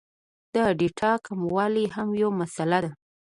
د ډېټا کموالی هم یو مسئله ده